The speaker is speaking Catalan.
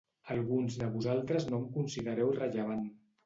Alguns de vosaltres no em considereu rellevant.